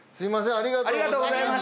ありがとうございます。